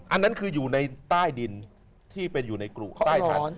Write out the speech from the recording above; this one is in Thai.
อันนั้นคืออยู่ในใต้ดินที่เป็นอยู่ในกรุใต้ทัน